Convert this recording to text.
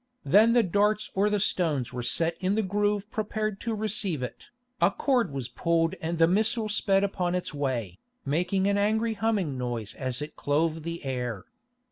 Then the darts or the stones were set in the groove prepared to receive it, a cord was pulled and the missile sped upon its way, making an angry humming noise as it clove the air.